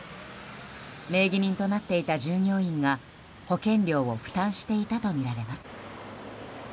名義人となっていた従業員が保険料を負担していたとみられます。